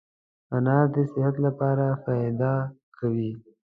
انار دي صحت لپاره فایده کوي